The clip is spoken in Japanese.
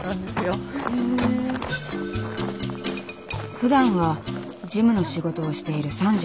ふだんは事務の仕事をしている３４歳。